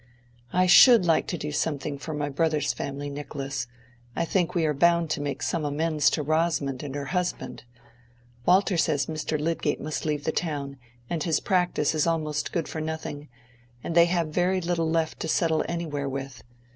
"I should like to do something for my brother's family, Nicholas; and I think we are bound to make some amends to Rosamond and her husband. Walter says Mr. Lydgate must leave the town, and his practice is almost good for nothing, and they have very little left to settle anywhere with.